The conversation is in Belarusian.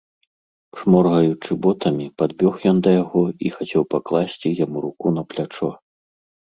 Шморгаючы ботамі, падбег ён да яго і хацеў пакласці яму руку на плячо.